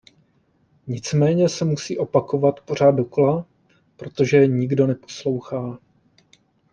Nicméně se musí opakovat pořád dokola, protože je nikdo neposlouchá.